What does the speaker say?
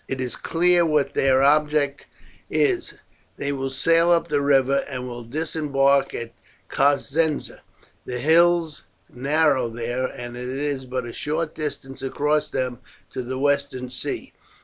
It is clear what their object is: they will sail up that river and will disembark at Cosenza; the hills narrow there, and it is but a short distance across them to the Western Sea.